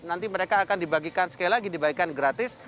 nanti mereka akan dibagikan sekali lagi dibagikan gratis